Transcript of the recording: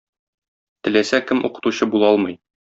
Теләсә кем укытучы була алмый.